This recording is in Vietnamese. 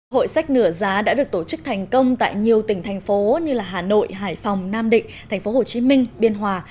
hội sách nửa giá đã được tổ chức thành công tại nhiều tỉnh thành phố như hà nội hải phòng nam định thành phố hồ chí minh biên hòa